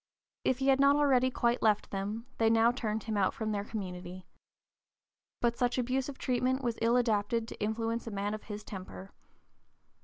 If he had not already quite left them, they now turned him out from their community. But such abusive treatment was ill adapted to influence a man of his temper.